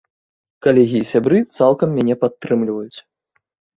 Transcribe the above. Калегі і сябры цалкам мяне падтрымліваюць.